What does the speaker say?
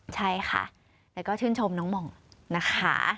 ใช่ค่ะแล้วก็ชื่นชมน้องหม่องนะคะ